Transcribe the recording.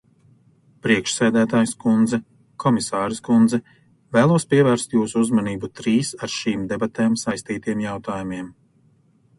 Priekšsēdētājas kundze, komisāres kundze, vēlos pievērst jūsu uzmanību trīs ar šīm debatēm saistītiem jautājumiem.